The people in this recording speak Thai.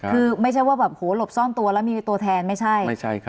คือไม่ใช่ว่าแบบโหหลบซ่อนตัวแล้วมีตัวแทนไม่ใช่ครับ